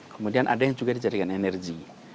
kemudian ada yang juga dijadikan energi